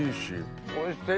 おいしい。